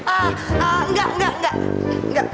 ah enggak enggak enggak